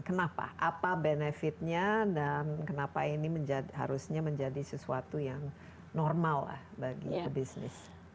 kenapa apa benefit nya dan kenapa ini harusnya menjadi sesuatu yang normal bagi bisnis